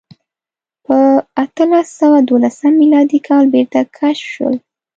په اتلس سوه دولسم میلادي کال بېرته کشف شول.